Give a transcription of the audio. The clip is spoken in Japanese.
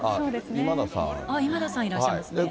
今田さん、いらっしゃいます